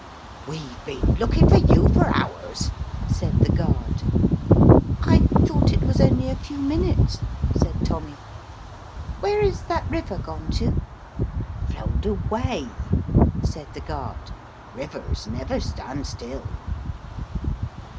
"We've been looking for you for hours/' said the guard. " I thought it was only a few minutes/' said Tommy ;" where is that river gone to ?"" Flowed away," said the guard ; "rivers never stand still."